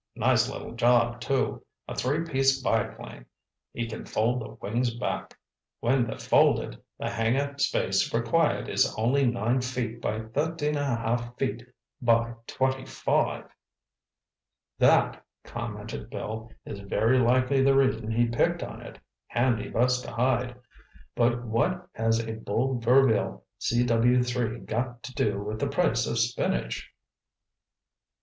Nice little job, too. A three place biplane—he can fold the wings back. When they're folded, the hangar space required is only 9 feet by 13½ feet by 25!" "That," commented Bill, "is very likely the reason he picked on it—handy bus to hide. But what has a Buhl Verville CW3 got to do with the price of spinach?"